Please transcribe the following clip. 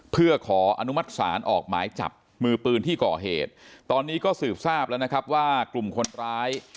เพื่อขออนุมัติศาลออกหมายจับมือปืนที่ก่อเหตุตอนนี้ก็สืบทราบแล้วนะครับว่ากลุ่มคนร้าย